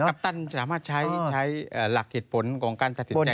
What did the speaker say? ปัปตันสามารถใช้หลักเหตุผลของการตัดสินใจ